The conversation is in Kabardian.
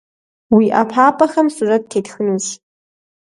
Уи ӏэпапӏэхэм сурэт тетхынущ.